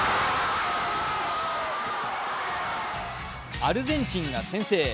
アルゼンチンが先制。